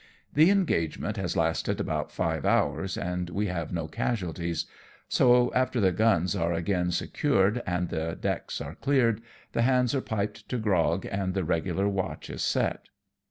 The engagement has lasted about five hours, and we have no casualties; so, after the guns are again secured, and the decks are cleared, the hands are piped to grog and the regular watch is set.